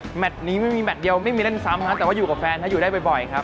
ถ้าแฟนมากไม่ใช่แฟนอยู่อื่นแต่ว่าอยู่กับแฟนน่ะอยู่ได้บ่อยครับ